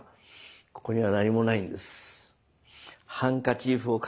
ここには何もないんです。